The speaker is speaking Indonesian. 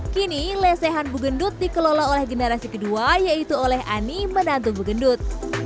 kini lesehan bugendut dikelola oleh generasi kedua yaitu oleh ani menantu bugendut